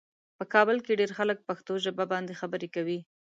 په کابل کې ډېر خلک پښتو ژبه باندې خبرې کوي.